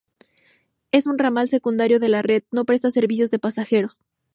Es un ramal secundario de la red, no presta servicios de pasajeros.